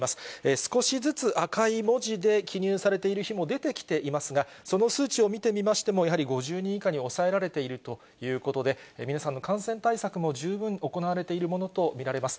少しずつ赤い文字で記入されている日も出てきていますが、その数値を見てみましても、やはり５０人以下に抑えられているということで、皆さんの感染対策も十分行われているものと見られます。